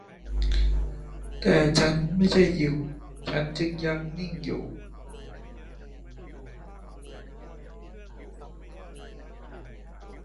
แต่ฉันไม่ใช่ยิว ฉันจึงยังนิ่งอยู่